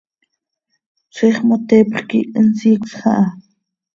¡Ziix moteepx quih insiicösj aha!